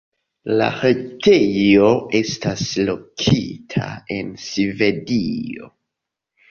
La retejo estas lokita en Svedio.